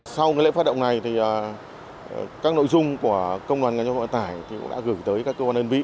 sau lễ phát động này thì các nội dung của công đoàn ngành giao thông vận tải cũng đã gửi tới các cơ quan đơn vị